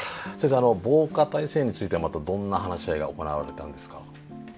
あの防火体制についてはまたどんな話し合いが行われたんですか？